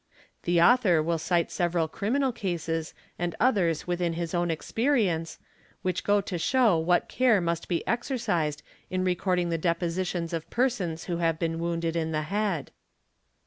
The author will cite several criminal cases and others within his own experience, which go to show what care must be exercised in recording the depositions of persons who have been wounded in the head.